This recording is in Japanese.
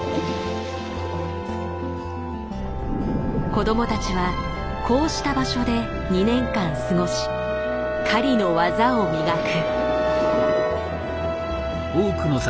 子供たちはこうした場所で２年間過ごし狩りの技を磨く。